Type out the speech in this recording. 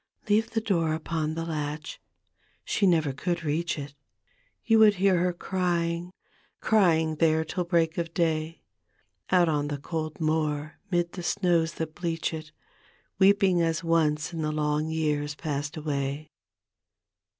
Leave the door upon the latch — she could never reach it — You would hear her crying, crying there till break of day. Out on the cold moor 'mid the snows that bleach it, Weeping as once in the long years past away.